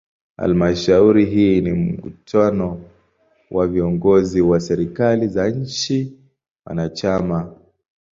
Halmashauri hii ni mkutano wa viongozi wa serikali za nchi wanachama.